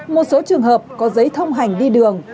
một số trường hợp có giấy thông hành đi đường